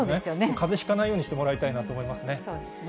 かぜひかないようにしてもらいたいなと思いますね。